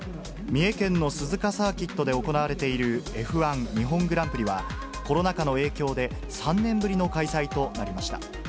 三重県の鈴鹿サーキットで行われているＦ１日本グランプリは、コロナ禍の影響で３年ぶりの開催となりました。